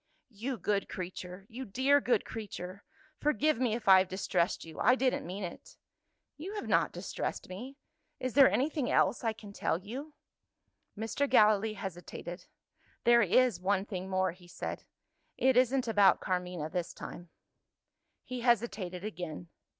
"You good creature! you dear good creature! Forgive me if I have distressed you; I didn't meant it." "You have not distressed me. Is there anything else I can tell you?" Mr. Gallilee hesitated. "There is one thing more," he said. "It isn't about Carmina this time " He hesitated again.